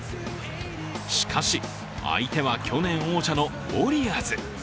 しかし、相手は去年王者のウォリアーズ。